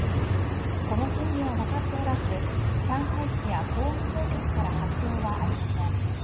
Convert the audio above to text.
この真偽は分かっておらず上海市や公安当局から発表はありません。